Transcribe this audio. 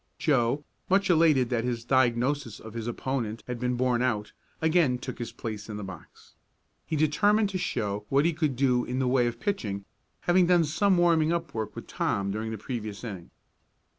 Joe, much elated that his diagnosis of his opponent had been borne out, again took his place in the box. He determined to show what he could do in the way of pitching, having done some warming up work with Tom during the previous inning.